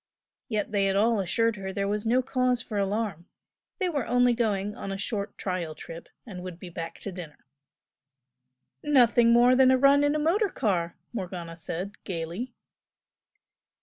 Yet they had all assured her there was no cause for alarm, they were only going on a short trial trip and would be back to dinner. "Nothing more than a run in a motor car!" Morgana said, gaily.